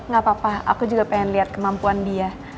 gak apa apa aku juga pengen lihat kemampuan dia